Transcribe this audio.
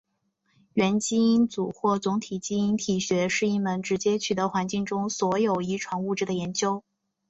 元基因组或总体基因体学是一门直接取得环境中所有遗传物质的研究。